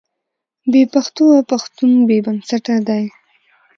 بې پښتوه پښتون بې بنسټه دی.